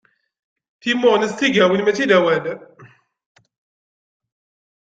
Timmuɣnest d tigawin mačči d awal.